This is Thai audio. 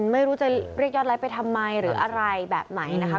ไม่รู้จะเรียกยอดไลค์ไปทำไมหรืออะไรแบบไหนนะคะ